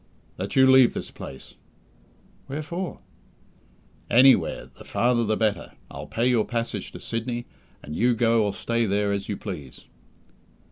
"That you leave this place." "Where for?" "Anywhere the farther the better. I'll pay your passage to Sydney, and you go or stay there as you please."